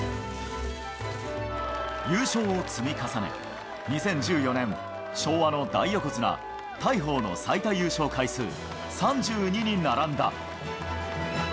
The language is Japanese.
優勝を積み重ね、２０１４年、昭和の大横綱・大鵬の最多優勝回数３２に並んだ。